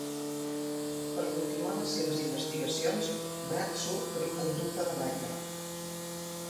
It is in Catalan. Per continuar les seves investigacions, Brad surt per un conducte de l'aire.